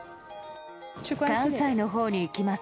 関西のほうに行きます。